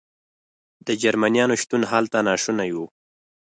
د جرمنیانو شتون هلته ناشونی و.